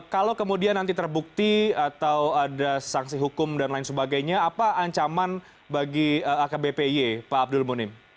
kalau kemudian nanti terbukti atau ada sanksi hukum dan lain sebagainya apa ancaman bagi akbpy pak abdul munim